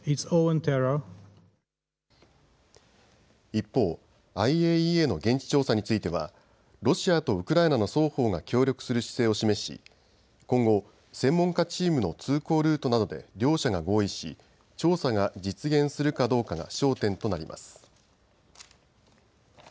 一方、ＩＡＥＡの現地調査についてはロシアとウクライナの双方が協力する姿勢を示し今後、専門家チームの通行ルートなどで両者が合意し調査が実現するかどうかが焦点となります。